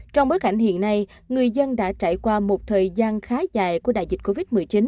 trong bối cảnh hiện nay người dân đã trải qua một thời gian khá dài của đại dịch covid một mươi chín